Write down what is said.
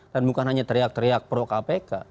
dan bukan hanya teriak teriak pro kpk